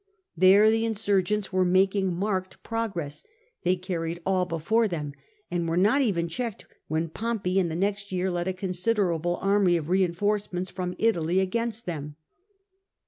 There the insurgents were making marked progress ; they carried all before them, and were not even checked when Pompey in the next year led a considerable army of reinforcements from Italy against them.